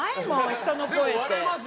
人の声って。